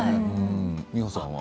美穂さんは？